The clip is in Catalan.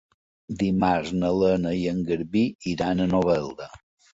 Dimarts na Lena i en Garbí iran a Novelda.